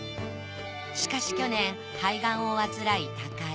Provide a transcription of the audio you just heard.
しかし去年肺がんを患い他界。